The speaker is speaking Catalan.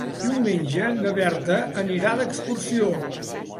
Diumenge na Berta anirà d'excursió.